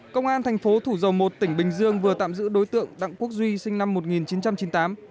công an thành phố thủ dầu một tỉnh bình dương vừa tạm giữ đối tượng đặng quốc duy sinh năm một nghìn chín trăm chín mươi tám